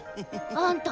あんた